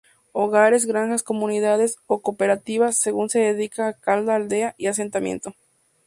Hogares, granjas, comunidades o cooperativas, según se decida en cada aldea y asentamiento.